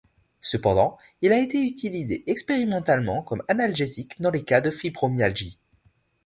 Cependant il a été utilisé expérimentalement comme analgésique dans des cas de fibromyalgie.